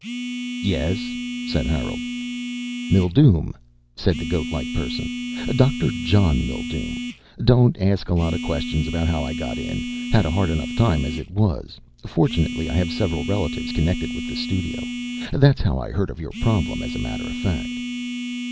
"Yes?" said Harold. "Mildume," said the goat like person. "Dr. John Mildume. Don't ask a lot of questions about how I got in. Had a hard enough time as it was. Fortunately I have several relatives connected with the studio. That's how I heard of your problem as a matter of fact."